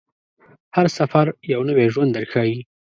هر سفر یو نوی ژوند درښيي.